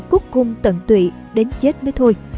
cuốc cung tận tụy đến chết mới thôi